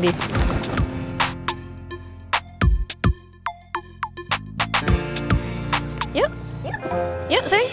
like trending yuk yuk sayang